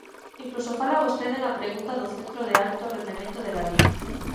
Incluso fala vostede na pregunta do Centro de Alto Rendemento de Lalín.